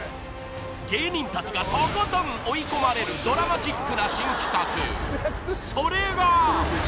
［芸人たちがとことん追い込まれるドラマチックな新企画それが］